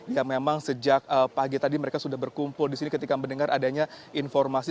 yang memang sejak pagi tadi mereka sudah berkumpul di sini ketika mendengar adanya informasi